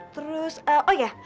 terus oh ya